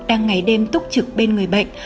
đang ngày đêm túc trực bên người bệnh